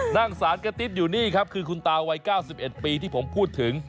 นั่งสารกระติ๊บอยู่นี่ครับคือคุณตาวัย๙๑ปีที่ผมพูดถึง